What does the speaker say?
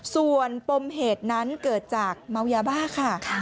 ส่วนปมเหตุนั้นเกิดจากเมายาบ้าค่ะ